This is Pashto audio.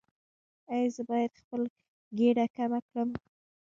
ایا زه باید خپل ګیډه کمه کړم؟